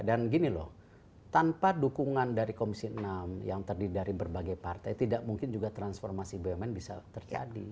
dan gini loh tanpa dukungan dari komisi enam yang terdiri dari berbagai partai tidak mungkin juga transformasi bumn bisa terjadi